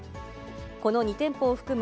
この２店舗を含む